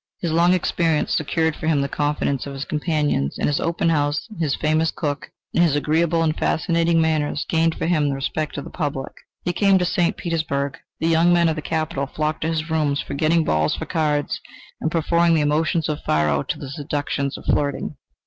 His long experience secured for him the confidence of his companions, and his open house, his famous cook, and his agreeable and fascinating manners gained for him the respect of the public. He came to St. Petersburg. The young men of the capital flocked to his rooms, forgetting balls for cards, and preferring the emotions of faro to the seductions of flirting.